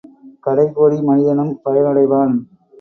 கடைகோடி மனிதனும் பயனடைவான்.